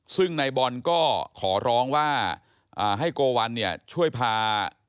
ซึ่งนายบอลก็ขอร้องว่าให้โกวัลเนี่ยช่วยพา